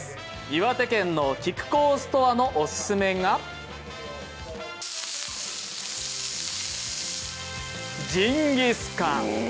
岩手県のキクコーストアのオススメがジンギスカン。